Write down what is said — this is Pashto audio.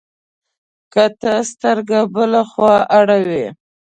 که ته سترګه بله خوا اړوې،